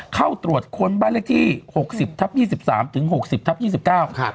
เข้าตรวจคนบ้านละที่๖๐ทับ๒๓ถึง๖๐ทับ๒๙